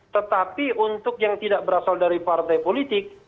tetapi untuk yang tidak berasal dari partai politik